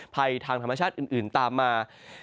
ภัยทางธรรมชาติอื่นตามมา